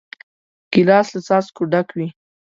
ګیلاس له څاڅکو ډک وي.